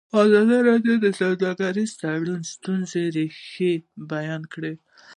ازادي راډیو د سوداګریز تړونونه د ستونزو رېښه بیان کړې.